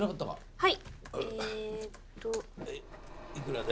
はい。